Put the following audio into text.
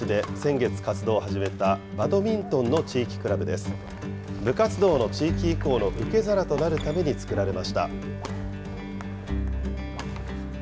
部活動の地域移行の受け皿となるために作られました。